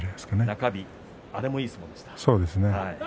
中日、あれもいい相撲でした。